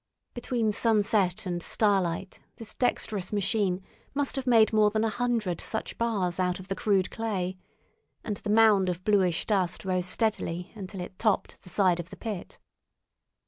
Between sunset and starlight this dexterous machine must have made more than a hundred such bars out of the crude clay, and the mound of bluish dust rose steadily until it topped the side of the pit.